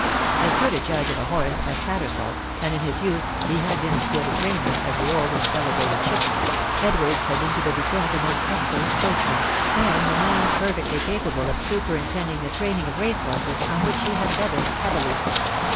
As good a judge of a horse as Tattersal (and in his youth he had been as good a trainer as the old and celebrated Chiffney), Edwards had been to the vicomte a most excellent coachman, and a man perfectly capable of superintending the training of race horses on which he had betted heavily.